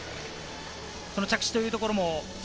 着地というところも。